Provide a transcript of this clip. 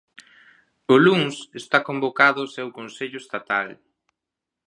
O luns está convocado o seu Consello Estatal.